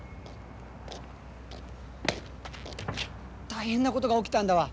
大変なことが起きたんだわ。